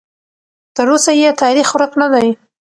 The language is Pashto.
تراوسه یې تاریخ ورک نه دی.